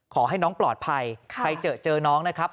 ขอให้น้องปลอดภัยใครเจอเจอน้องนะครับ